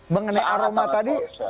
mengenai aroma tadi